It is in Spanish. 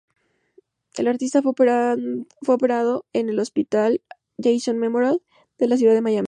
El artista fue operado en el Hospital "Jackson Memorial" de la ciudad de Miami.